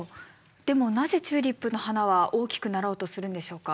でもなぜチューリップの花は大きくなろうとするんでしょうか？